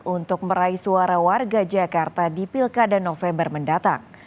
untuk meraih suara warga jakarta di pilkada november mendatang